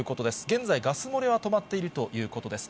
現在、ガス漏れは止まっているということです。